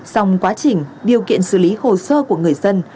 xong quá trình điều kiện xử lý hồ sơ của người dân